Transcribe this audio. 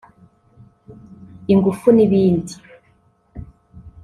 ingufu n’ibindi